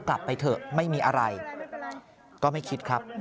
กลับไปเถอะไม่มีอะไรก็ไม่คิดครับ